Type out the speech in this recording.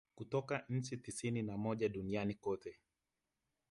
Kutoka nchi tisini na moja duniani kote